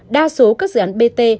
đa số các dự án bt